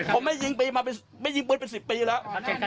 ผมไม่ได้ยิงปีมาไปไม่ได้ยิงปืนเป็นสิบปีแล้ว